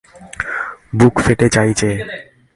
বুক ফেটে যায় যে!